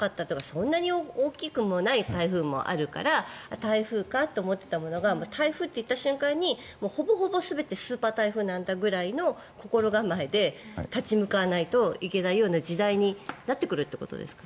そんなに大きくもない台風もあるから台風かと思っていたものが台風って言った瞬間にほぼほぼ全てスーパー台風なんだぐらいの心構えで立ち向かわないといけないような時代になってくるということですか？